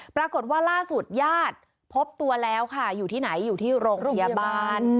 ปรากฏว่าล่าสุดญาติพบตัวแล้วค่ะอยู่ที่ไหนอยู่ที่โรงพยาบาล